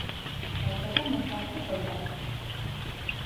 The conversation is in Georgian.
დაიბადა მეშახტის ოჯახში.